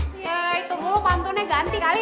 hei tunggu lu pantunnya ganti kali